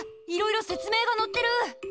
いろいろせつ明がのってる。